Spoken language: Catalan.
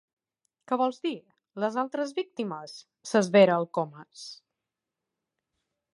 Què vols dir, les altres víctimes? —s'esvera el Comas.